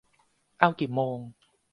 เอากี่โมง ?